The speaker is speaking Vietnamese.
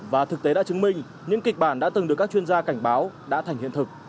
và thực tế đã chứng minh những kịch bản đã từng được các chuyên gia cảnh báo đã thành hiện thực